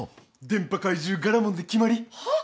電波怪獣ガラモンで決まり！はあ？